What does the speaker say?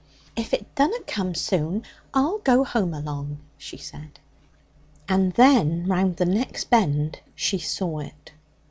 'If it dunna come soon I'll go home along,' she said. And then, round the next bend, she saw it.